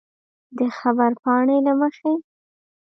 د خبرپاڼې له مخې